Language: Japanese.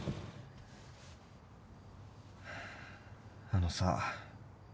あのさ。